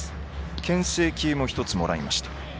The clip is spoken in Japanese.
けん制球も１つもらいました。